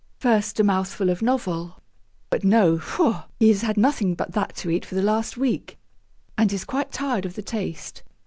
First a mouthful of novel; but no, faugh! he has had nothing but that to eat for the last week, and is quite tired of the taste.